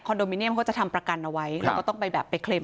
โดมิเนียมเขาจะทำประกันเอาไว้แล้วก็ต้องไปแบบไปเคลม